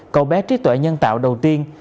cậu bé trí tuệ nhân tạo đầu tiên